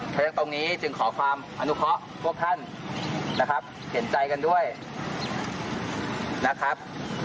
เพราะฉะนั้นตรงนี้จึงขอความอนุเคราะห์พวกท่านนะครับเห็นใจกันด้วยนะครับ